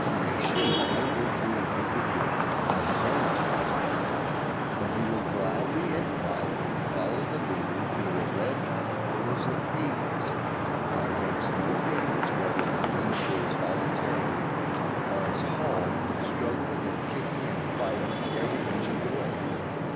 A sheep won't go through an open gate on his own responsibility, but he would gladly and proudly "follow the leader" through the red hot portals of Hades: and it makes no difference whether the lead goes voluntarily, or is hauled struggling and kicking and fighting every inch of the way.